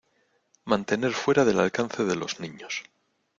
Mantener fuera del alcance de los niños.